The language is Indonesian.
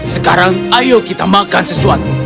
sekarang ayo kita makan sesuatu